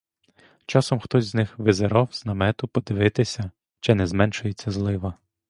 Часом хтось з них визирав з намету подивитися, чи не зменшується злива.